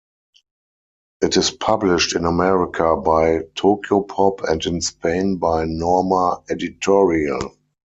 It is published in America by Tokyopop and in Spain by Norma Editorial.